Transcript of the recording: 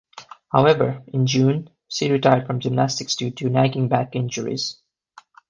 However, in June, she retired from gymnastics due to nagging back injuries.